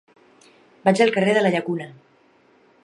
Vaig al carrer de la Llacuna.